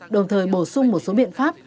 đồng thời bổ sung một số biện pháp